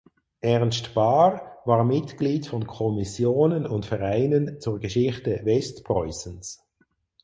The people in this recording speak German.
Ernst Bahr war Mitglied von Kommissionen und Vereinen zur Geschichte Westpreußens.